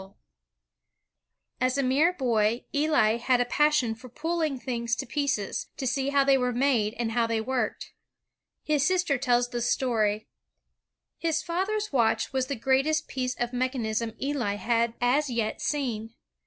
BIKTHPIACE OF ELI WHITNEV As a mere boy, Eli had a passion for pulling things to pieces, to see how they were made and how they worked. His sister tells this story: "His father's watch was the greatest piece of mechanism Eli had as yet seen.